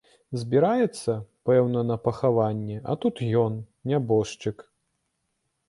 Збіраецца, пэўна, на пахаванне, а тут ён, нябожчык.